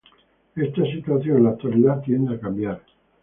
Esta situación en la actualidad tiende a cambiar.